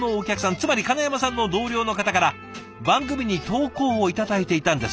つまり金山さんの同僚の方から番組に投稿を頂いていたんです。